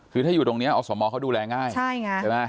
คือถ้าอยู่ตรงนี้อสมเขาดูแลง่ายใช่ไงใช่ไหม